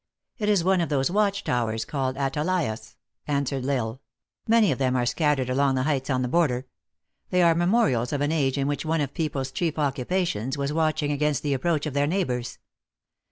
"It is one of those watch towers called atalaias" answered L Isle. " Many of them are scattered along the heights on the border. They are memorials of an 276 THE ACTRESS IN HIGH LIFE. age in which one of people s chief occupations was watching against the approach of their neighbors."